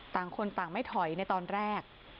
ต่างคนต่างไม่ถอยในตอนแรก